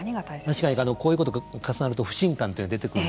確かにこういうことが重なると不信感って出てくる。